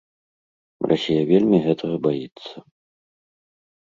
Расія вельмі гэтага баіцца.